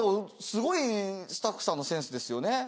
すごいスタッフさんのセンスですよね。